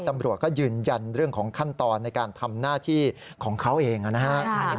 ตำรวจก็ยืนยันเรื่องของขั้นตอนในการทำหน้าที่ของเขาเองนะครับ